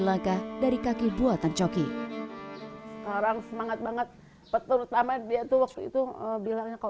langkah dari kaki buatan coki orang semangat banget pertama dia tuh itu bilangnya kalau